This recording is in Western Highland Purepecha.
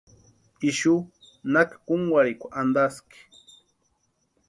Ixu naki kúnkwarhikwa antaski.